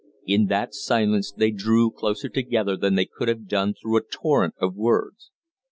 In that silence they drew closer together than they could have done through a torrent of words.